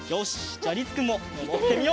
じゃありつくんものぼってみよう！